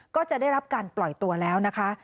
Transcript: ก็จะได้รับการปล่อยตัวแล้วนะคะ